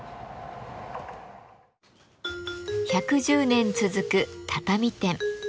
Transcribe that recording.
１１０年続く畳店。